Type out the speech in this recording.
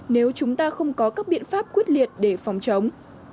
nếu chúng ta không có các biện pháp quyết liệt để phòng chống